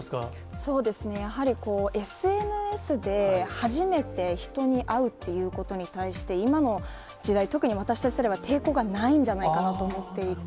そうですね、やはりこう、ＳＮＳで初めて人に会うっていうことに対して、今の時代、特に私たち世代は抵抗がないんじゃないかなと思っていて、